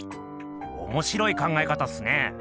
おもしろい考え方っすね。